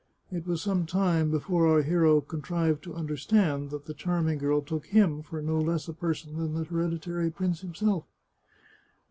It was some time before our hero contrived to understand that the charming girl took him for no less a person than the hereditary prince himself.